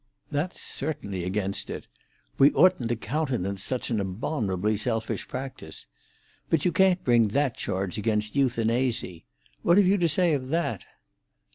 "That's certainly against it. We oughtn't to countenance such an abominably selfish practice. But you can't bring that charge against euthanasy. What have you to say of that?"